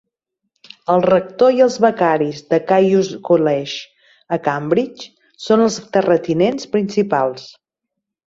El rector i els becaris de Caius College, a Cambridge, són els terratinents principals.